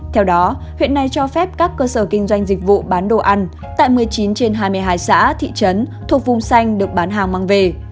theo đó huyện này cho phép các cơ sở kinh doanh dịch vụ bán đồ ăn tại một mươi chín trên hai mươi hai xã thị trấn thuộc vùng xanh được bán hàng mang về